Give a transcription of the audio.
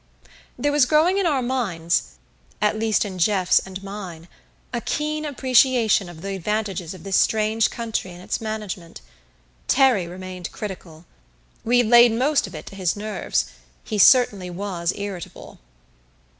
There was growing in our minds, at least in Jeff's and mine, a keen appreciation of the advantages of this strange country and its management. Terry remained critical. We laid most of it to his nerves. He certainly was irritable.